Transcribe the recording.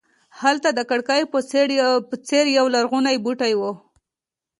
هلته د کړکۍ په څېر یولرغونی بوټی و.